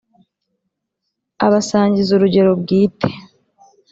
Abasangiza urugero bwite